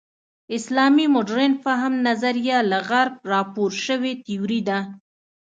اسلامي مډرن فهم نظریه له غرب راپور شوې تیوري ده.